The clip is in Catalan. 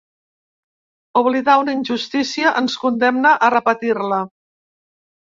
'Oblidar una injustícia ens condemna a repetir-la'.